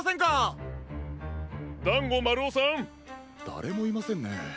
だれもいませんね。